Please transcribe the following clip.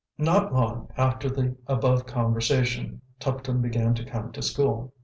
Not long after the above conversation, Tuptim began to come to school.